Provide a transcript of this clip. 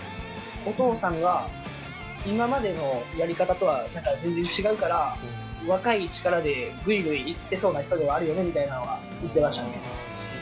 お父さんが今までのやり方とは全然違うから若い力でグイグイいってそうな人ではあるよねみたいなのは言ってましたね。